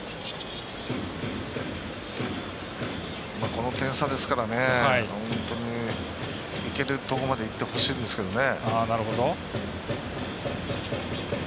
この点差ですからいけるところまでいってほしいんですけどね。